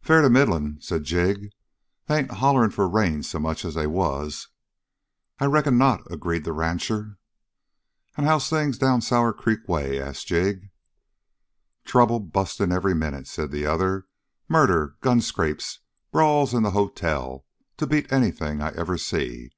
"Fair to middlin'," said Jig. "They ain't hollering for rain so much as they was." "I reckon not," agreed the rancher. "And how's things down Sour Creek way?" asked Jig. "Trouble busting every minute," said the other. "Murder, gun scrapes, brawls in the hotel to beat anything I ever see.